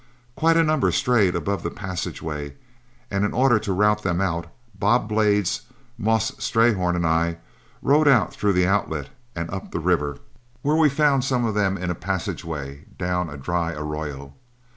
Quite a number strayed above the passageway, and in order to rout them out, Bob Blades, Moss Strayhorn, and I rode out through the outlet and up the river, where we found some of them in a passageway down a dry arroyo.